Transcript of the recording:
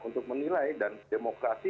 untuk menilai dan demokrasi